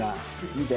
見て。